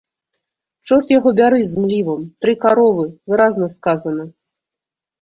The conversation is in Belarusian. Чорт яго бяры з млівам, тры каровы, выразна сказана.